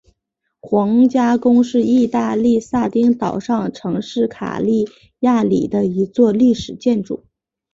皇家宫是义大利撒丁岛上城市卡利亚里的一座历史建筑。